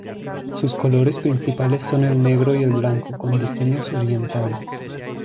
Sus colores principales son el negro y el blanco, con diseños orientales.